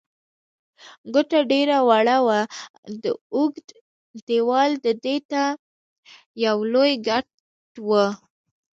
کوټه ډېره وړه وه، د اوږد دېوال ډډې ته یو لوی کټ و.